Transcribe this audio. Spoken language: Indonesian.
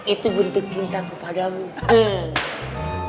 itu bentuk cintaku padamu